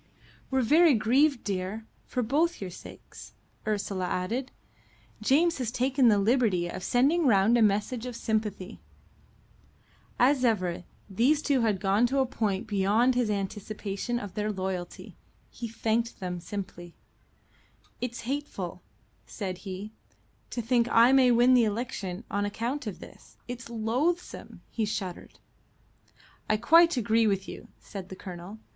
"We're very grieved, dear, for both your sakes," Ursula added. "James has taken the liberty of sending round a message of sympathy." As ever, these two had gone a point beyond his anticipation of their loyalty. He thanked them simply. "It's hateful," said he, "to think I may win the election on account of this. It's loathsome." He shuddered. "I quite agree with you," said the Colonel.